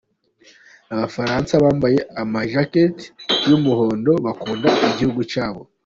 "Abafaransa bambaye amajaketi y'umuhondo bakunda igihugu cyabo.